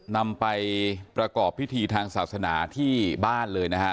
นำไปประกอบพิธีทางศาสนาที่บ้านเลยนะฮะ